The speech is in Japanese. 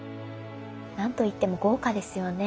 何といっても豪華ですよね。